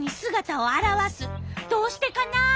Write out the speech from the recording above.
どうしてかな？